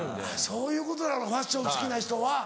そういうことなのかファッション好きな人は。